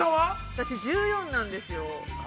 ◆私、１４なんですよ。